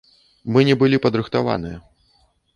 Мы не былі падрыхтаваныя.